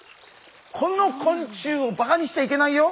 この昆虫をバカにしちゃいけないよ！